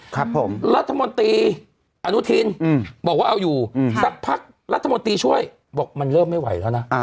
ครับผมรัฐมนตรีอนุทินบอกว่าเอาอยู่สักพักรัฐมนตรีช่วยบอกมันเริ่มไม่ไหวแล้วนะ